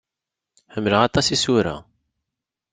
Ḥemmleɣ aṭas isura.